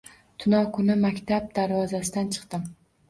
Tunov kuni maktab darvozasidan chiqdim.